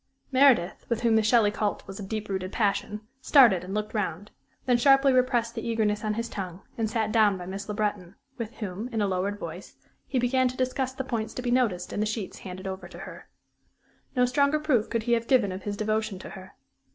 Meredith, with whom the Shelley cult was a deep rooted passion, started and looked round; then sharply repressed the eagerness on his tongue and sat down by Miss Le Breton, with whom, in a lowered voice, he began to discuss the points to be noticed in the sheets handed over to her. No stronger proof could he have given of his devotion to her.